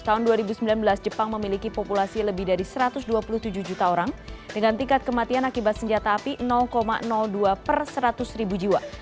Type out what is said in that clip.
tahun dua ribu sembilan belas jepang memiliki populasi lebih dari satu ratus dua puluh tujuh juta orang dengan tingkat kematian akibat senjata api dua per seratus ribu jiwa